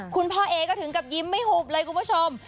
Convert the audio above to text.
คุณพ่อเอก็ถึงกับยิ้มไม่หุบเลยคุณผู้ชม